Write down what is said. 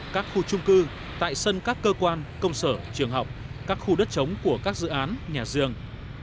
các khu trung cư tại sân các cơ quan công sở trường học các khu đất chống của các dự án nhà giường